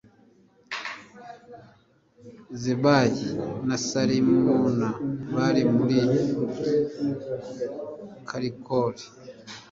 zebahi na salimuna bari muri karikori